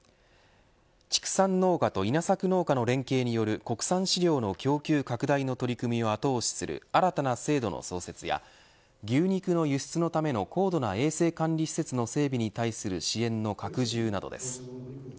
畜産農家と稲作農家の連携による国産飼料の供給拡大の取り組みを後押しする新たな制度の創設や牛肉の輸出のための高度な衛生管理施設の整備に対する支援の拡充などです。